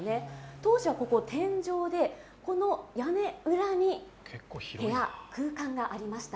当時はここ、天井でこの屋根裏に部屋、空間がありました。